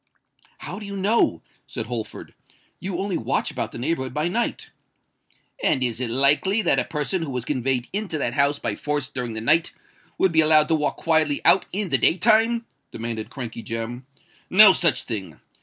"How do you know?" said Holford. "You only watch about the neighbourhood by night." "And is it likely that a person who was conveyed into that house by force during the night, would be allowed to walk quietly out in the day time?" demanded Crankey Jem. "No such thing!